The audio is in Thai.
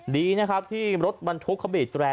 ดีนะครับที่รถบรรทุกเขาบีบแปลเตือน